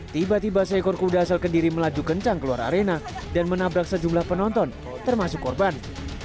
tiba tiba seekor kuda asal kediri melaju kencang keluar arena dan menabrak sejumlah penonton termasuk korban